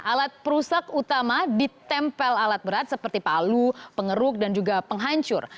alat perusak utama ditempel alat berat seperti palu pengeruk dan juga penghancur